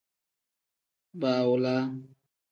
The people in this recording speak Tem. Baawolaa.